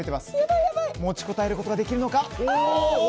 持ちこたえることができるか。